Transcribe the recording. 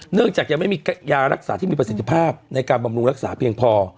จากยังไม่มียารักษาที่มีประสิทธิภาพในการบำรุงรักษาเพียงพอ